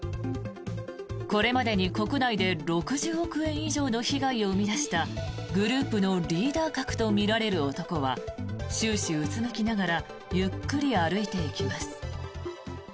これまでに国内で６０億円以上の被害を生み出したグループのリーダー格とみられる男は終始うつむきながらゆっくり歩いていきます。